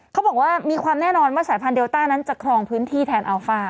เขาบอกว่ามีความแน่นอนว่าสายพันธุเดลต้านั้นจะครองพื้นที่แทนอัลฟ่า